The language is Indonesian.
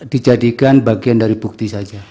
dijadikan bagian dari bukti saja